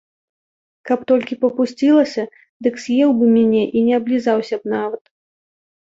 Каб толькі папусцілася, дык з'еў бы мяне і не аблізаўся б нават.